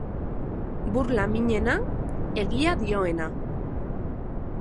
Burla minena, egia dioena.